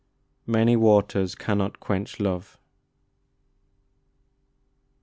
"MANY WATERS CANNOT QUENCH LOVE."